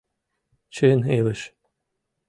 Чын илыш!